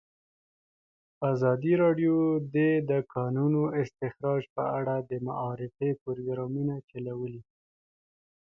ازادي راډیو د د کانونو استخراج په اړه د معارفې پروګرامونه چلولي.